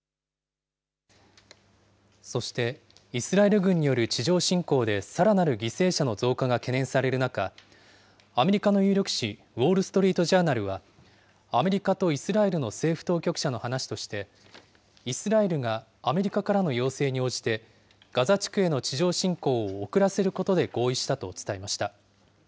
そして、イスラエル軍による地上侵攻でさらなる犠牲者の増加が懸念される中、アメリカの有力紙、ウォール・ストリート・ジャーナルは、アメリカとイスラエルの政府当局者の話として、イスラエルがアメリカからの要請に応じてガザ地区への地上侵攻を遅らせることで合意したと伝えました。